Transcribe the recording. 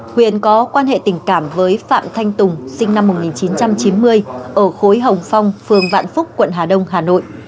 huyền có quan hệ tình cảm với phạm thanh tùng sinh năm một nghìn chín trăm chín mươi ở khối hồng phong phường vạn phúc quận hà đông hà nội